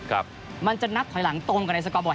ครับมันจะนับถอยหลังตรงกันในสกอร์บอร์ด